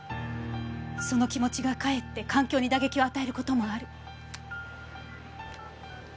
その気持ちがかえって環境に打撃を与える事もある。